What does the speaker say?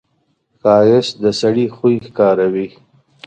ښایست د سړي خوی ښکاروي